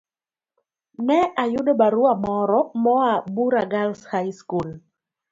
Ne ayudo barua moro moa Bura Girls' High School.